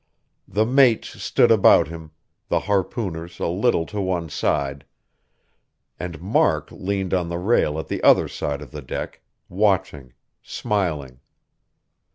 The mates stood about him, the harpooners a little to one side; and Mark leaned on the rail at the other side of the deck, watching, smiling....